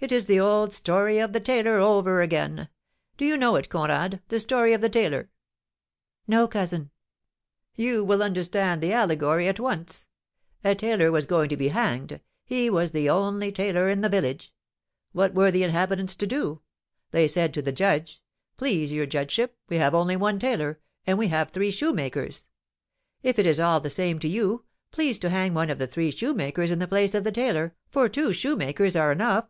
"It is the old story of the tailor over again. Do you know it, Conrad, the story of the tailor?" "No, cousin." "You will understand the allegory at once. A tailor was going to be hanged; he was the only tailor in the village. What were the inhabitants to do? They said to the judge, 'Please your judgeship, we have only one tailor, and we have three shoemakers; if it is all the same to you, please to hang one of the three shoemakers in the place of the tailor, for two shoemakers are enough.'